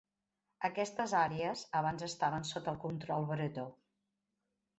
Aquestes àrees abans estaven sota el control bretó.